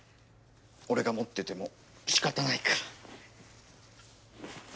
俺が持っててもしかたないから。